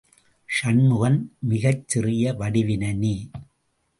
சண்முகன் மிகச் சிறிய வடிவினனே.